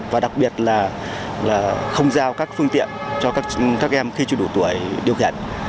và đặc biệt là không giao các phương tiện cho các em khi chưa đủ tuổi điều khiển